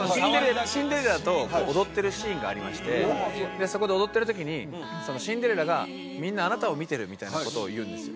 シンデレラと踊ってるシーンがありましてそこで踊ってる時にシンデレラが「みんなあなたを見てる」みたいなことを言うんですよ